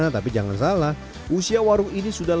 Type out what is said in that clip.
tapi jangan salah usia warung ini sudah